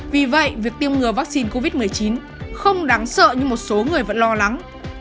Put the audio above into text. vì vậy việc tiêm ngừa vắc xin covid một mươi chín không đáng sợ như một số khó khăn